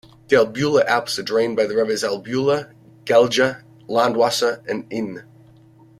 The Albula Alps are drained by the rivers Albula, Gelgia, Landwasser and Inn.